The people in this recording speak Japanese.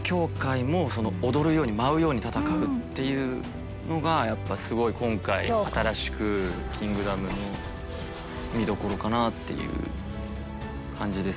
その羌も踊るように舞うように戦うっていうのがやっぱすごい今回新しく『キングダム』の見どころかなっていう感じですかね。